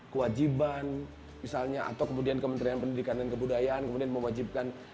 kewajiban misalnya atau kemudian kementerian pendidikan dan kebudayaan kemudian mewajibkan